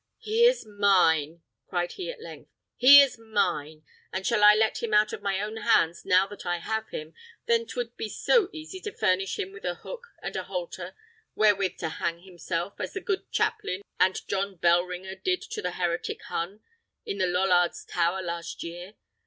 "He is mine!" cried he at length, "he is mine! And shall I let him out of my own hands now that I have him, when 'twould be so easy to furnish him with a hook and a halter wherewith to hang himself, as the good chaplain and John Bellringer did to the heretic Hun, in the Lollards' Tower last year?